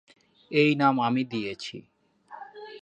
এই নাম আমি দিয়েছি।